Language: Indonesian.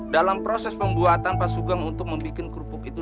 dalam proses pembuatan pak sugeng untuk membuat kerupuk itu